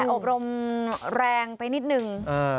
อบรมแรงไปนิดนึง